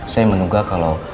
saya menunggu kalo